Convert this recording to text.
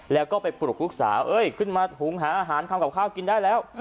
แล้วก็ไปปลุกลูกสาวเอ้ยขึ้นมาหุงหาอาหารทำกับข้าวกินได้แล้ว